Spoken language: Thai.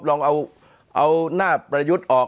ลองเอาหน้าประยุทธ์ออก